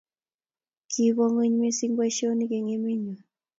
Kiba ng'weny mising boisionik eng' emenyo